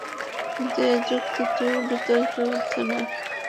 কিন্তু এ যুক্তিটিও বিতর্কের ঊর্ধ্বে নয়।